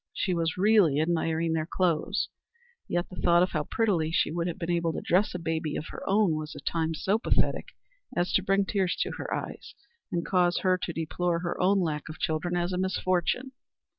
She was really admiring their clothes, yet the thought of how prettily she would have been able to dress a baby of her own was at times so pathetic as to bring tears to her eyes, and cause her to deplore her own lack of children as a misfortune.